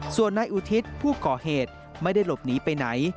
ส่วนนายอุทิศผู้ก่อเหตุไม่ได้หลบหนีไปไหน